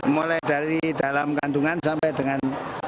mulai dari dalam kandungan sampai dengan